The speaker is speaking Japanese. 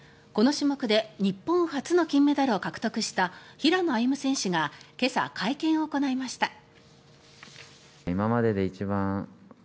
この種目で日本初の金メダルを獲得した平野歩夢選手が今朝、会見を行いました。